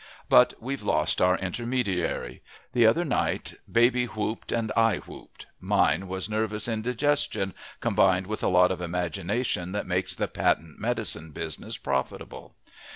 But we've lost our intermediary. The other night baby whooped and I whooped. Mine was nervous indigestion, combined with a lot of imagination that makes the patent medicine business profitable.